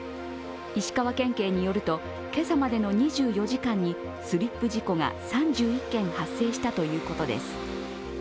石川県警によると、今朝までの２４時間にスリップ事故が３１件発生したということです。